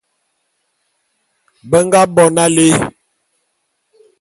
Be nga bo nalé.